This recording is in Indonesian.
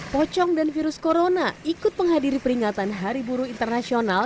pocong dan virus corona ikut menghadiri peringatan hari buruh internasional